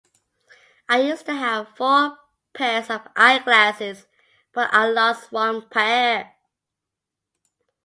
I used to have four pairs of eyeglasses, but I lost one pair.